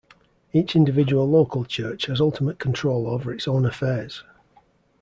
Each individual local church has ultimate control over its own affairs.